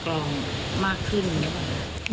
อาจจะต้องมีการกันกรองมากขึ้น